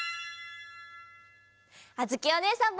あづきおねえさんも！